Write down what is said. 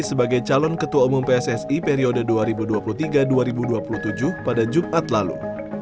sebagai calon ketua umum pssi periode dua ribu dua puluh tiga dua ribu dua puluh tujuh pada jumat lalu